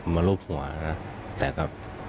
มารูปหัวนะแต่ก็